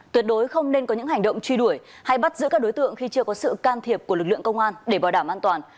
tuyệt đối không nên có những hành động truy đuổi hay bắt giữ các đối tượng khi chưa có sự can thiệp của lực lượng công an để bảo đảm an toàn